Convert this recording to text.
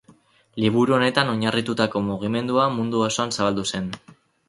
Liburu honetan oinarritutako mugimendua mundu osoan zabaldu zen.